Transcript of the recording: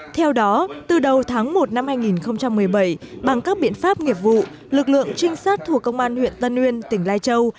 theo đó từ đầu tháng một năm hai nghìn một mươi bảy bằng các biện pháp nghiệp vụ lực lượng trinh sát thuộc công an huyện tân uyên tỉnh lai châu